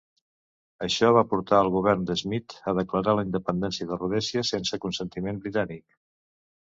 Això va portar al govern de Smith a declarar la independència de Rhodèsia sense el consentiment britànic.